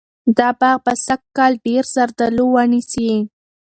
دا باغ به سږکال ډېر زردالو ونیسي.